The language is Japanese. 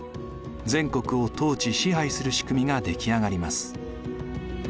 全国を統治支配するしくみが出来上がります。